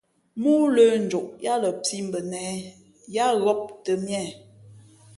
Móó lə̄ njoʼ yāā lα pǐ bα nehē, yáá ghōp tαmīe.